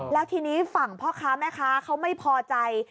แล้วทีนี้ฝั่งพ่อค้าแม่ค้าเขาไม่พอใจ